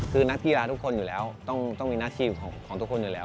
คือนักกีฬาทุกคนอยู่แล้วต้องมีหน้าที่ของทุกคนอยู่แล้ว